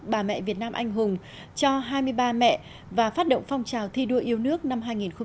bà mẹ việt nam anh hùng cho hai mươi ba mẹ và phát động phong trào thi đua yêu nước năm hai nghìn hai mươi